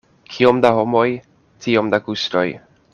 Kiom da homoj, tiom da gustoj.